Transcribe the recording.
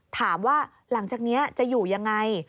ถามว่าหลังจากนี้จะอยู่อย่างไร